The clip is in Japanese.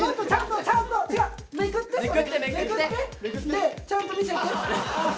でちゃんと見せて！